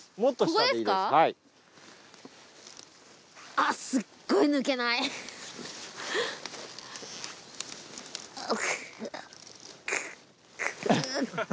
あっすっごい抜けない。くっくっ。